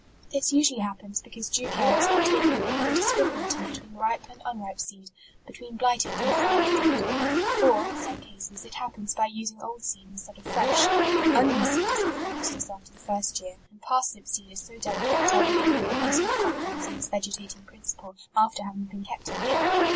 This usually hap pens because due care is not taken in dis criminating between ripe and unripe seed ; between blighted and sound seed. Or in Borne cases it happens by using old seed in stead of fresh. Onion seed is often useless after the first year; and parsnip seed is so delicate that I believe we can place no con* fidence in its vegetating principle after having been kept a year.